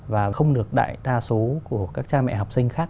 và không được đại đa số của các cha mẹ học sinh khác